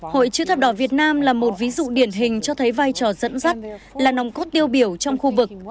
hội chữ thập đỏ việt nam là một ví dụ điển hình cho thấy vai trò dẫn dắt là nồng cốt tiêu biểu trong khu vực